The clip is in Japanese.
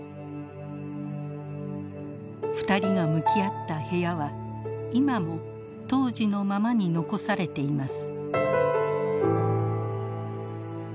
２人が向き合った部屋は今も当時のままに残されています。